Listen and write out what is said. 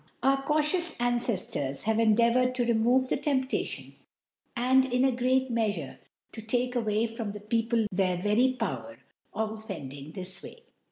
Our cautious Anceftors have endeavoured to re move the Temptation, and, in a great mea fure, to take away from the People their very Power of offending this way.